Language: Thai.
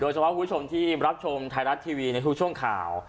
เฉพาะคุณผู้ชมที่รับชมไทยรัฐทีวีในทุกช่วงข่าว